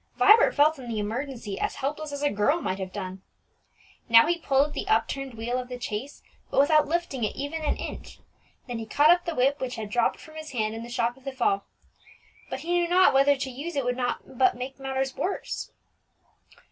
Vibert felt in the emergency as helpless as a girl might have done. Now he pulled at the upturned wheel of the chaise, but without lifting it even an inch; then he caught up the whip which had dropped from his hand in the shock of the fall, but he knew not whether to use it would not but make matters worse.